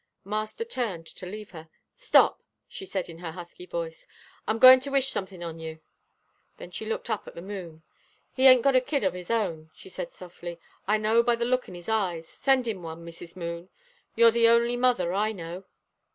Master turned to leave her. "Stop," she said in her husky voice, "I'm goin' to wish somethin' on you." Then she looked up at the moon. "He ain't got a kid of his own," she said softly, "I know by the look in his eyes. Send him one, Mrs. Moon, you're the only mother I know."